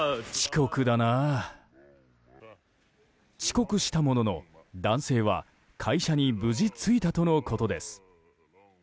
遅刻したものの、男性は会社に無事着いたとのことです。